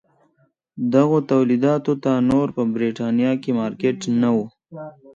دغو تولیداتو ته نور په برېټانیا کې مارکېټ نه و.